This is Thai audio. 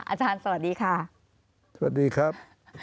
อาจารย์สวัสดีค่ะสวัสดีครับ